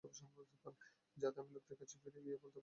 যাতে আমি লোকদের কাছে ফিরে গিয়ে বলতে পারি এবং তারাও জানতে পারে।